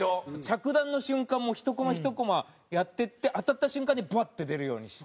着弾の瞬間も１コマ１コマやっていって当たった瞬間にバッて出るようにして。